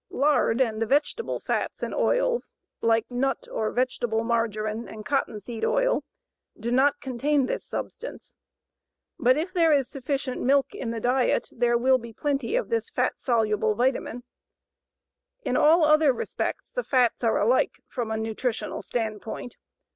Lard and the vegetable fats and oils, like nut or vegetable margarine and cottonseed oil, do not contain this substance, but if there is sufficient milk in the diet, there will be plenty of this "fat soluble vitamine." In all other respects the fats are alike from a nutritional standpoint.